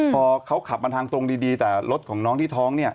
พอเขาขับมาทางตรงดีแต่รถของน้องที่ท้องเนี่ย